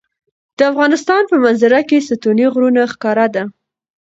د افغانستان په منظره کې ستوني غرونه ښکاره ده.